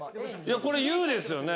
これ「ｕ」ですよね。